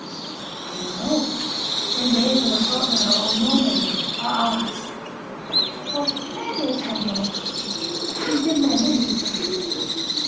'I don't know; ten days or a fortnight, or more, maybe. I'll ask.' 'Oh! feyther 'll tell me all about it. He's been there many a time.'